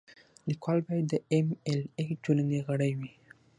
لیکوال باید د ایم ایل اې ټولنې غړی وي.